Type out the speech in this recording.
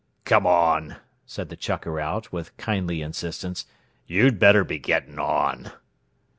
"Come on," said the "chucker out", with kindly insistence, "you'd better be getting on."